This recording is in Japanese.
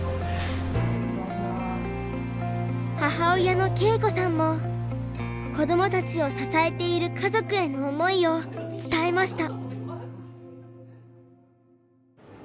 母親の恵子さんも子どもたちを支えている家族への思いを伝えました。